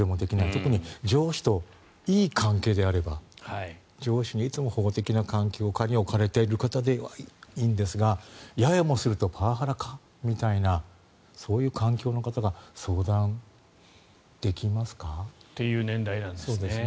特に上司といい関係であれば上司にいつも保護的な環境下に置かれている方ならいいんですがやもするとパワハラかみたいなそういう環境の方が相談できますか？という年代なんですね。